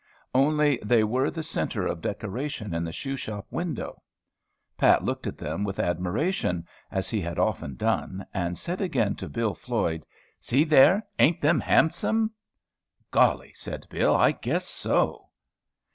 Only they were the centre of decoration in the shoe shop window. Pat looked at them with admiration, as he had often done, and said again to Bill Floyd, "See there, ain't them handsome?" "Golly!" said Bill, "I guess so."